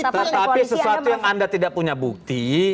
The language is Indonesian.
tetapi sesuatu yang anda tidak punya bukti